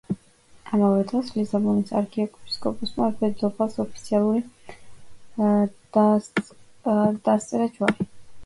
ამავე დღეს ლისაბონის არქიეპისკოპოსმა მეფე-დედოფალს ოფიციალურად დასწერათ ჯვარი.